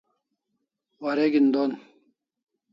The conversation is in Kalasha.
Wareg'in don